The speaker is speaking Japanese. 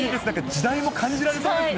時代も感じられそうですね。